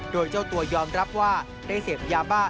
โดยเจ้ายอมรับว่าเสพยาบ้า